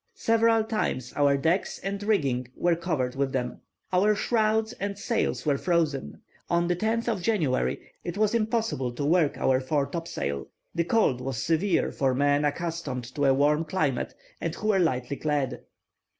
Several times our decks and rigging were covered with them. Our shrouds and sails were frozen. On the 10th of January, it was impossible to work our fore topsail. The cold was severe, for men accustomed to a warm climate, and who were lightly clad.